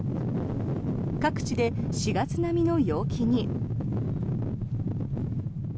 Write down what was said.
各地で４月並みの陽気に。